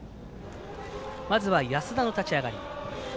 まずは安田の立ち上がり。